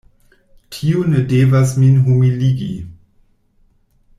Tio ne devas min humiligi!